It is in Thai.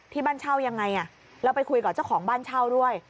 บ้านเช่ายังไงแล้วไปคุยกับเจ้าของบ้านเช่าด้วย